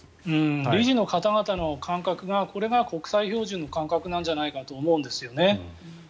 理事の方々の感覚がこれが国際標準の感覚なんじゃないかと思うんですね。